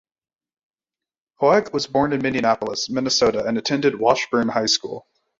Hoag was born in Minneapolis, Minnesota, and attended Washburn High School.